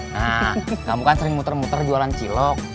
nah kamu kan sering muter muter jualan cilok